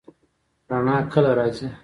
رڼا کله راځي؟